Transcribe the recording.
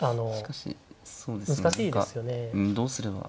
しかしそうですね何かどうすれば。